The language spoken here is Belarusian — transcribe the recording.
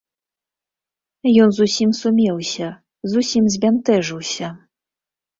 Ён зусім сумеўся, зусім збянтэжыўся.